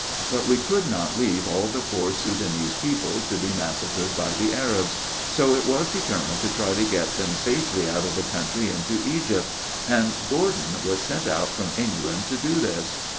But we could not leave all the poor Soudanese people to be massacred by the Arabs, so it was determined to try to get them safely out of the country into Egypt, and Gordon was sent out from England to do this.